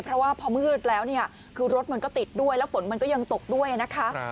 เพราะว่าพอมืดแล้วเนี่ยคือรถมันก็ติดด้วยแล้วฝนมันก็ยังตกด้วยนะคะ